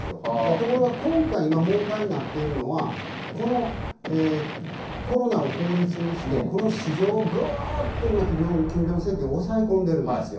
ところが、今回、今問題になってるのは、このコロナを口実にして、この市場をぐーっと今、キム・ジョンウン政権が抑え込んでるんですよ。